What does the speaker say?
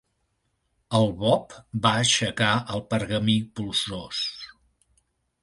El Bob va aixecar el pergamí polsós.